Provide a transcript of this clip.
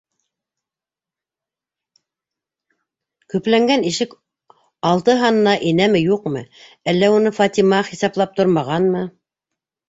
Кәпләнгән ишек алты һанына инәме-юҡмы, әллә уны Фатима хисаплап тормағанмы?